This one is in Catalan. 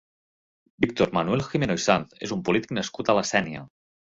Víctor Manuel Gimeno i Sanz és un polític nascut a la Sénia.